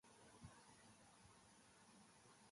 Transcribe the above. Ingurura begiratu eta Iratin ez egoteaz harritu zen une batez.